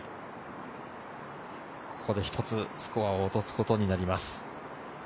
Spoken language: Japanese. ここで１つスコアを落とすことになります。